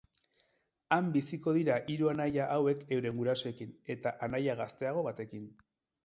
Han biziko dira hiru anaia hauek euren gurasoekin eta anaia gazteago batekin.